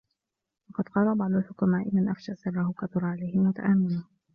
وَقَدْ قَالَ بَعْضُ الْحُكَمَاءِ مَنْ أَفْشَى سِرَّهُ كَثُرَ عَلَيْهِ الْمُتَأَمِّرُونَ